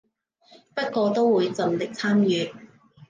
不過都會盡力參與